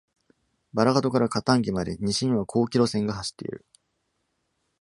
バラガトからカタンギまで西には広軌路線が走っている。